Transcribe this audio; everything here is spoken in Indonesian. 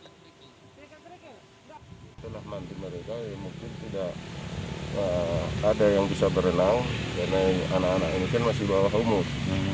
setelah mandi mereka ya mungkin tidak ada yang bisa berenang karena anak anak ini kan masih bawah umur